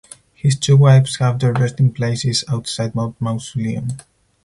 His two wives have their resting places outside the mausoleum.